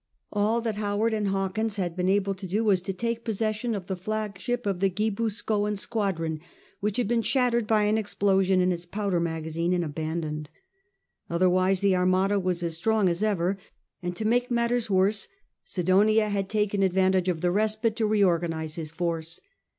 All that Howard and Hawkins had been able to do was to take possession of the flagship of the Guipuzcoan squadron, which had been shattered by an explosion in its powder magazine and abandoned. Otherwise the Armada was as strong as ever; and to make matters worse, Sidonia had taken advantage of the respite to reorganise his force.